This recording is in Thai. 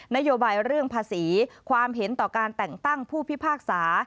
นโยบายเรื่องภาษีความเห็นต่อการแต่งตั้งผู้พิพากษา